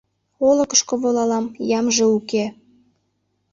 Олыкышко волалам — ямже уке